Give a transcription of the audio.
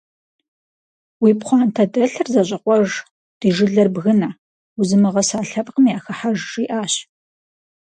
- Уи пхъуантэдэлъыр зэщӀэкъуэж, ди жылэр бгынэ, узымыгъэса лъэпкъым яхыхьэж, - жиӏащ.